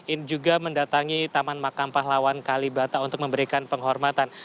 ini juga mendatangi taman makam pahlawan kalibata untuk memberikan penghormatan